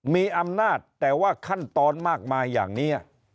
มีอำนาจแต่ว่าขั้นตอนมากมายอย่างนี้